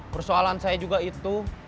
persoalan saya juga itu